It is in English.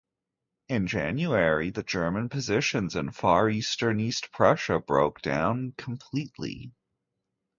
In January, the German positions in far-eastern East Prussia broke down completely.